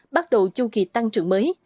bắt đầu chu kỳ tăng trưởng mới